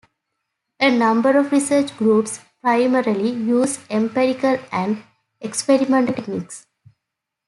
A number of research groups primarily use empirical and experimental techniques.